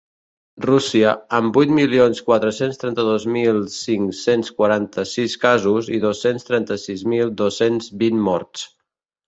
Rússia, amb vuit milions quatre-cents trenta-dos mil cinc-cents quaranta-sis casos i dos-cents trenta-sis mil dos-cents vint morts.